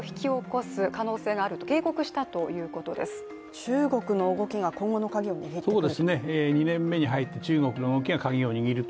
中国の動きが今後のカギを握ってくると？